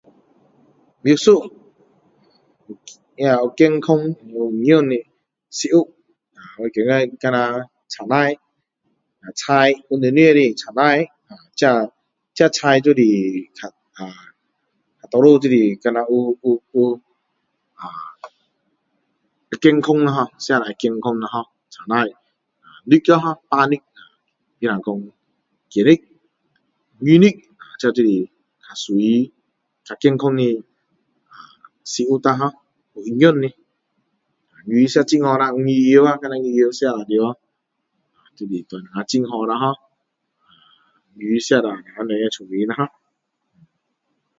那有健康有营养的是有我觉得像青菜菜有叶子的青菜这这菜就是啊通常就是啊有有有啊会健康啦ho吃了会健康青菜啊吃了会健康肉啦有营养的肉比如说鸡肉鱼肉这就是属于较健康的啊食物啦有营养的 鱼吃很好啦鱼油啦鱼油吃了进去就是对我们很好啦ho鱼吃了对我们自己也会较聪明啦ho